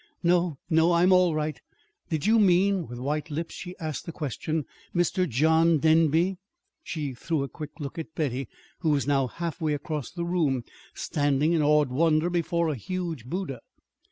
"No, no, I'm all right. Did you mean" with white lips she asked the question "Mr. John Denby?" She threw a quick look at Betty, who was now halfway across the room standing in awed wonder before a huge Buddha.